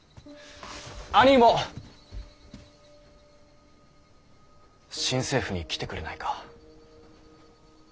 あにぃも新政府に来てくれないか。